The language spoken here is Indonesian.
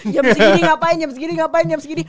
jam segini ngapain jam segini ngapain jam segini